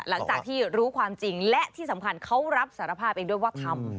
หลังจากที่รู้ความจริงและที่สำคัญเขารับสารภาพเองด้วยว่าทำ